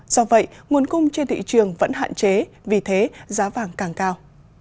do vậy nguồn cung trên thị trường vẫn hạn chế vì thế giá vàng càng cao